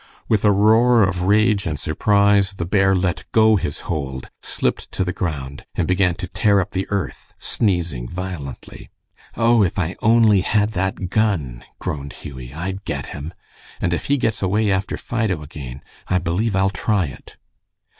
With a roar of rage and surprise the bear let go his hold, slipped to the ground, and began to tear up the earth, sneezing violently. "Oh, if I only had that gun," groaned Hughie, "I'd get him. And if he gets away after Fido again, I believe I'll try it."